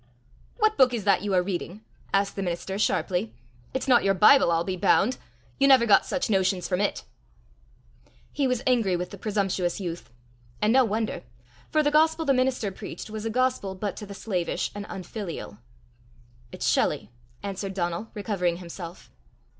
"What book is that you are reading?" asked the minister sharply. "It's not your Bible, I'll be bound! You never got such notions from it!" He was angry with the presumptuous youth and no wonder; for the gospel the minister preached was a gospel but to the slavish and unfilial. "It's Shelley," answered Donal, recovering himself.